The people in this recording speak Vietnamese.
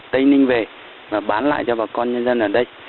tây ninh về và bán lại cho bà con nhân dân ở đây